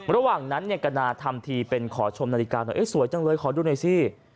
ระหว่างนั้นเนี่ยกนาทำทีเป็นขอชมนาฬิกาหน่อยสวยจังเลยขอดูหน่อยสิ